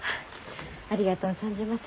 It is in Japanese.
ありがとう存じます。